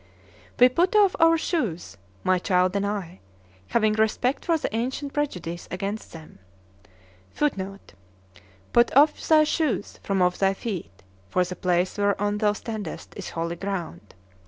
We put off our shoes, my child and I, having respect for the ancient prejudice against them; [Footnote: "Put off thy shoes from off thy feet, for the place whereon thou standest is holy ground."